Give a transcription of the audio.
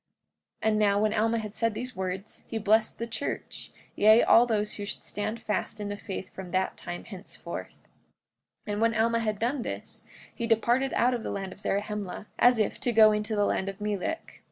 45:17 And now, when Alma had said these words he blessed the church, yea, all those who should stand fast in the faith from that time henceforth. 45:18 And when Alma had done this he departed out of the land of Zarahemla, as if to go into the land of Melek.